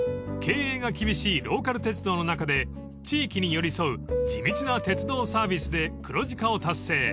［経営が厳しいローカル鉄道の中で地域に寄り添う地道な鉄道サービスで黒字化を達成］